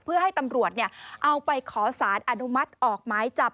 เพื่อให้ตำรวจเอาไปขอสารอนุมัติออกหมายจับ